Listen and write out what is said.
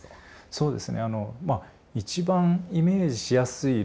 そうですね一番イメージしやすい例っていうのは